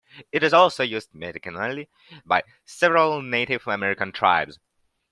It is also used medicinally by several Native American tribes.